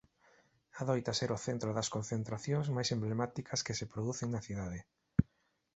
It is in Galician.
Adoita ser o centro das concentracións máis emblemáticas que se producen na cidade.